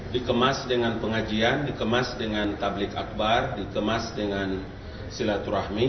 dikemas dengan pengajian dikemas dengan tablik akbar dikemas dengan silaturahmi